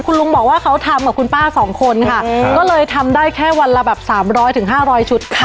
คุณลุงบอกว่าเขาทำกับคุณป้าสองคนค่ะก็เลยทำได้แค่วันละแบบสามร้อยถึงห้าร้อยชุดค่ะ